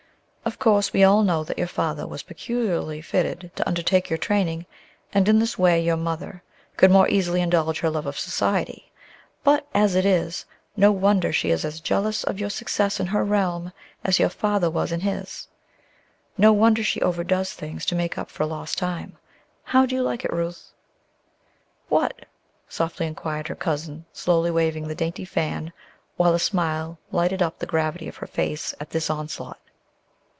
Of course we all know that your father was peculiarly fitted to undertake your training, and in this way your mother could more easily indulge her love of society; but as it is, no wonder she is as jealous of your success in her realm as your father was in his; no wonder she overdoes things to make up for lost time. How do you like it, Ruth?" "What?" softly inquired her cousin, slowly waving the dainty fan, while a smile lighted up the gravity of her face at this onslaught.